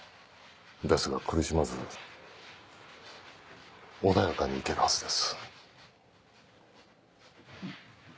ですが苦しまず穏やかに逝けるはずです。